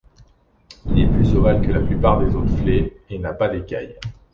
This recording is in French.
Il est plus ovale que la plupart des autres flets, et n'a pas d'écailles.